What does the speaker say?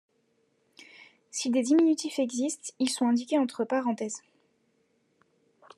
Si des diminutifs existent, ils sont indiqués entre parenthèses.